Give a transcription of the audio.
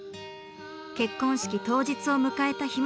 結婚式当日を迎えたひむ